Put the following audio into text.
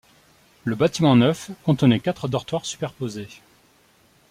Le Bâtiment-Neuf contenait quatre dortoirs superposés